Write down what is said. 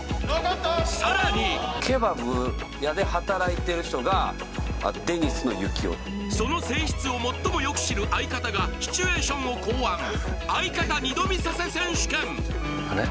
さらにケバブ屋で働いてる人がデニスの行雄その性質を最もよく知る相方がシチュエーションを考案相方二度見させ選手権あれ？